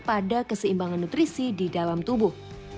pada keseimbangan nutrisi di dalam tubuh